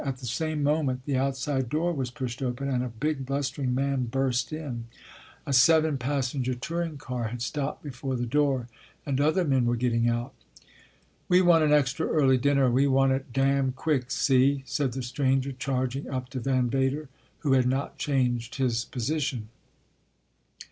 At the same moment the outside door was pushed open and a big, blustering man burst in. A seven passenger At Two Forks n touring car had stopped before the door, and other men were getting out. " We want an extra early dinner and we want it damn quick, see?" said the stranger, charging up to Van Vader, who had not changed his posi tion.